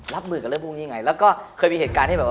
รับมือกับเรื่องพวกนี้ไงแล้วก็เคยมีเหตุการณ์ที่แบบ